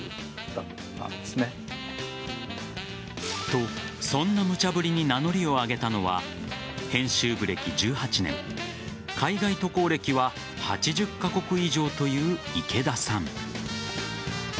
と、そんな無茶ぶりに名乗りを上げたのは編集部歴１８年海外渡航歴は８０カ国以上という池田さん。